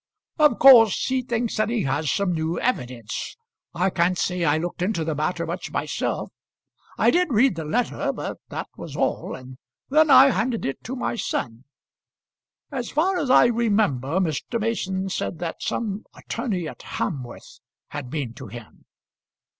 "Of course he thinks that he has some new evidence. I can't say I looked into the matter much myself. I did read the letter; but that was all, and then I handed it to my son. As far as I remember, Mr. Mason said that some attorney at Hamworth had been to him."